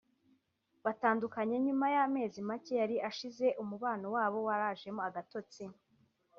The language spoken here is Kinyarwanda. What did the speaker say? batandukanye nyuma y’amezi make yari ashize umubano wabo warajemo agatotsi